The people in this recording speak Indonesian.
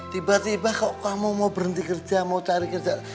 tiba tiba kok kamu mau berhenti kerja mau cari kerja